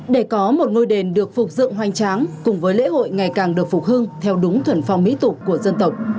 để có một ngôi đền được phục dựng hoành tráng cùng với lễ hội ngày càng được phục hưng theo đúng thuần phong mỹ tục của dân tộc